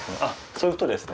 そういうことですね。